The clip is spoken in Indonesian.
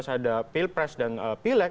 dua ribu sembilan belas ada pilpres dan pileg